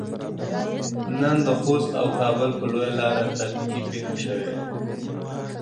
نن د خوست او کابل په لويه لار ترافيکي پېښه شوي.